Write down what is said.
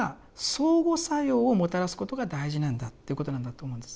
相互作用をもたらすことが大事なんだということなんだと思うんです。